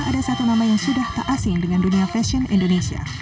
ada satu nama yang sudah tak asing dengan dunia fashion indonesia